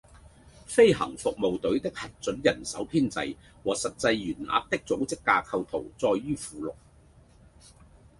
飛行服務隊的核准人手編制和實際員額的組織架構圖載於附錄